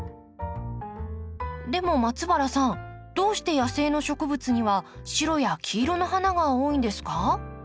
でも松原さんどうして野生の植物には白や黄色の花が多いんですか？